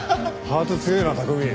ハート強いな拓海。